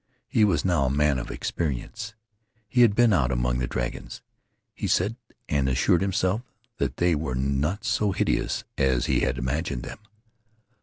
He was now a man of experience. He had been out among the dragons, he said, and he assured himself that they were not so hideous as he had imagined them.